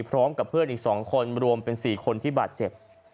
พร้อมกับเพื่อนอีก๒คนรวมเป็น๔คนที่บาดเจ็บ